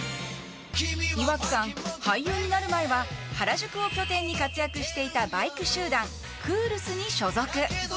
岩城さん、俳優になる前は原宿を拠点に活躍していたバイク集団クールスに所属。